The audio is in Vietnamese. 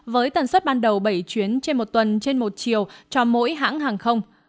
với tần suất ban đầu bảy chuyến trên một tuần trên một chiều cho mỗi hãng hàng không